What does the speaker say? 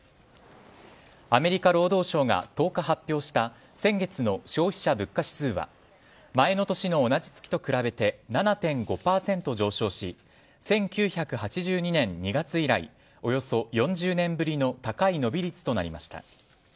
アメリカ労働省が１０日発表した先月の消費者物価指数は前の年の同じ月と比べて７．５％上昇し１９８２年２月以来およそ４０年ぶりの高い伸び率となりました。